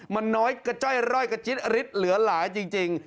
มันน้อยกระจ้อยร่อยกระจิ๊ดอริดเหลือหลายจริง